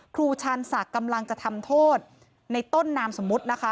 ชาญศักดิ์กำลังจะทำโทษในต้นนามสมมุตินะคะ